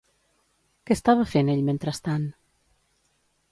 Què estava fent ell mentrestant?